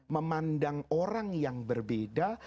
memandang orang yang berbeda